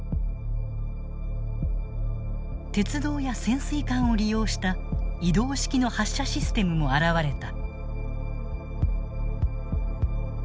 鉄道や潜水艦を利用した移動式の発射システムも現れた。